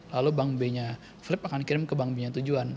lalu bank b nya flip akan dikirim ke bank b nya tujuan